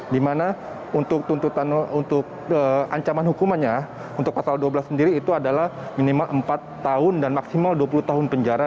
dimana untuk tuntutan untuk ancaman hukumannya untuk pasal dua belas sendiri itu adalah minimal empat tahun dan maksimal dua puluh tahun penjara